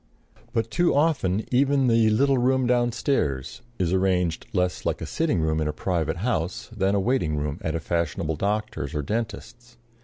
But too often even the "little room down stairs" is arranged less like a sitting room in a private house than a waiting room at a fashionable doctor's or dentist's.